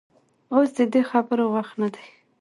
اوس د دې خبرو وخت نه دى.